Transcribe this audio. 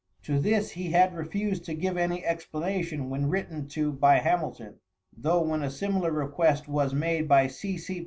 To this he had refused to give any explanation when written to by Hamilton, though when a similar request was made by C. C.